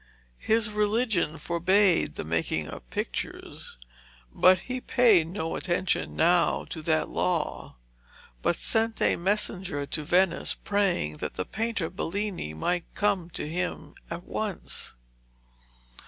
His religion forbade the making of pictures, but he paid no attention now to that law, but sent a messenger to Venice praying that the painter Bellini might come to him at once.